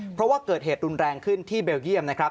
เพราะว่าเกิดเหตุรุนแรงขึ้นที่เบลเยี่ยมนะครับ